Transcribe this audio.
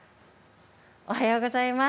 おはようございます。